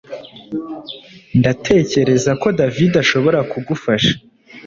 Ndatekereza ko David ashobora kugufasha